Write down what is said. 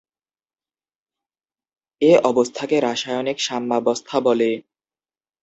এ অবস্থাকে রাসায়নিক সাম্যাবস্থা বলে।